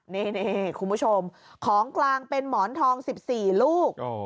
นี่คุณผู้ชมของกลางเป็นหมอนทอง๑๔ลูก